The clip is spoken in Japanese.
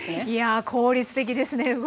いや効率的ですね